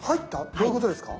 どういうことですか？